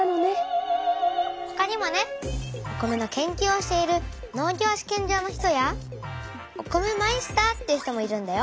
他にもねお米の研究をしている農業試験場の人やお米マイスターっていう人もいるんだよ。